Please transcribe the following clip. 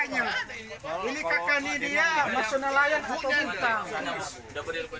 dia tanya ini kakaknya dia maksud nelayan buk dan tak